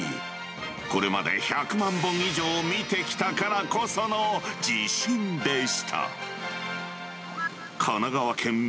これまで１００万本以上見てきたからこその自信でした。